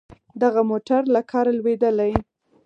دغه موټر له کاره لوېدلی.